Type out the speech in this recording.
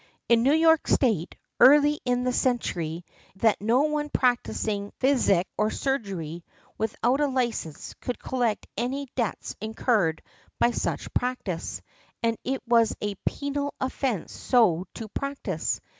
In New York State, early in the century, it was enacted that no one practising physic or surgery, without a license, could collect any debts incurred by such practice, and it was a penal offence so to practise.